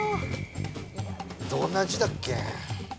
どんな字だっけ？